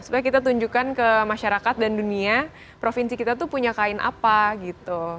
sebenarnya kita tunjukkan ke masyarakat dan dunia provinsi kita tuh punya kain apa gitu